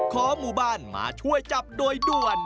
ขอหมู่บ้านมาช่วยจับโดยด่วน